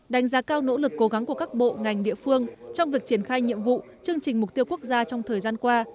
đánh giá cao nỗ lực cố gắng của các bộ ngành địa phương trong việc triển khai nhiệm vụ chương trình mục tiêu quốc gia trong thời gian qua